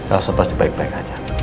langsung pasti baik baik aja